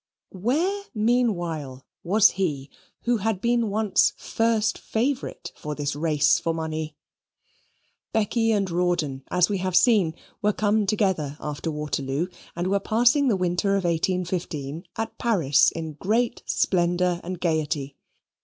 Where meanwhile was he who had been once first favourite for this race for money? Becky and Rawdon, as we have seen, were come together after Waterloo, and were passing the winter of 1815 at Paris in great splendour and gaiety.